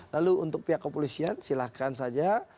lalu untuk pihak kepolisian silahkan saja